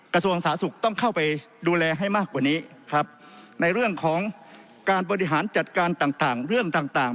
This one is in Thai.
กระทรวงสาธารณสุขต้องเข้าไปดูแลให้มากกว่านี้ครับในเรื่องของการบริหารจัดการต่างต่างเรื่องต่างต่าง